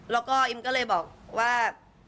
แล้วก็อิมก็เลยบอกว่า